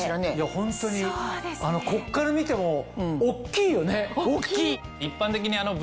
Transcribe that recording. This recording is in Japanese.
ホントにこっから見ても大っきいよね。